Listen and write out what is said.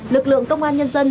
lực lượng công an nhân dân